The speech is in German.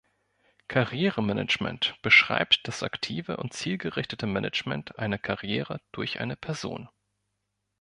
Karrieremanagement beschreibt das aktive und zielgerichtete Management einer Karriere durch eine Person.